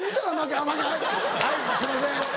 「はいはいすいません。